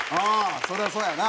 そりゃそうやな。